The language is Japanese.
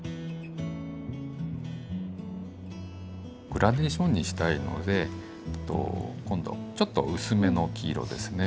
グラデーションにしたいので今度ちょっと薄めの黄色ですね。